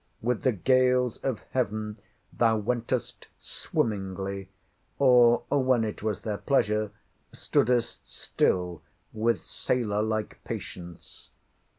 With the gales of heaven thou wentest swimmingly; or, when it was their pleasure, stoodest still with sailor like patience.